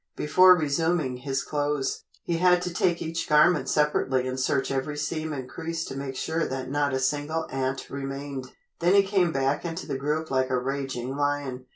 Before resuming his clothes, he had to take each garment separately and search every seam and crease to make sure that not a single ant remained. Then he came back into the group like a raging lion.